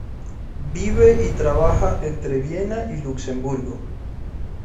Vive y trabaja entre Viena y Luxemburgo.